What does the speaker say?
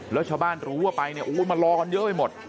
แล้วชาวบ้านรู้ว่าไปเนี่ยมารอกันเยอะไปหมด